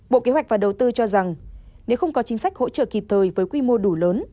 bộ kế hoạch và đầu tư cho rằng nếu không có chính sách hỗ trợ kịp thời với quy mô đủ lớn